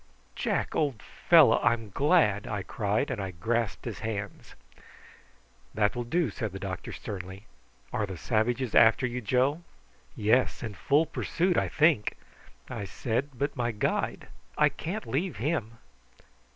"Jack, old fellow, I'm glad!" I cried, and I grasped his hands. "That will do," said the doctor sternly. "Are the savages after you, Joe?" "Yes, in full pursuit, I think," I said. "But my guide. I can't leave him."